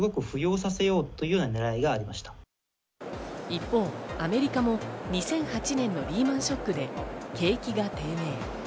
一方、アメリカも２００８年のリーマンショックで景気が低迷。